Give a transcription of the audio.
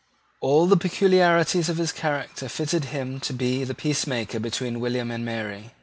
All the peculiarities of his character fitted him to be the peacemaker between William and Mary.